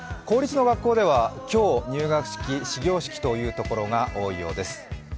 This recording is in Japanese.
公立の学校では今日、入学式始業式というところが多いそうです。